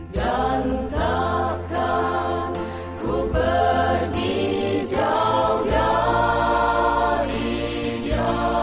dan takkan ku pergi jauh dari dia